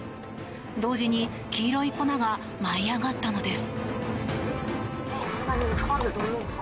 同時に黄色い粉が舞い上がったのです。